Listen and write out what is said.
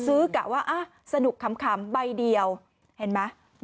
ซื้อกะว่าอ่ะสนุกขำใบเดียวเห็นไหม